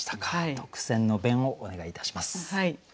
特選の弁をお願いいたします。